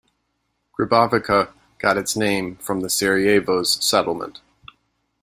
Grbavica got its name from the Sarajevo's settlement.